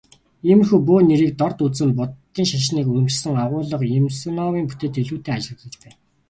Иймэрхүү бөө нэрийг дорд үзэн Буддын шашныг өргөмжилсөн агуулга Юмсуновын бүтээлд илүүтэй ажиглагдаж байна.